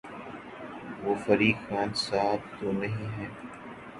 وہ فریق خان صاحب تو نہیں ہیں۔